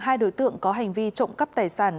hai đối tượng có hành vi trộm cắp tài sản